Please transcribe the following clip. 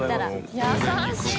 優しい！